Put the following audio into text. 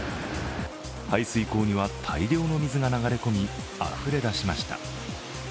排水溝には大量の水が流れ込みあふれ出しました。